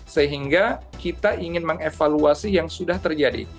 sehingga kita ingin mengevaluasi yang sudah terjadi